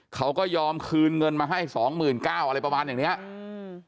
เขาก็ยอมคืนเงินมาให้สองหมื่นเก้าอะไรประมาณอย่างเนี้ยอืม